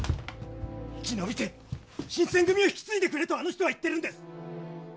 生き延びて新選組を引き継いでくれとあの人は言ってるんです！